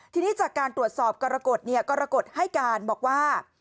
ทีนี้จากการตรวจสอบกรกฎกรกฎให้การบอกว่า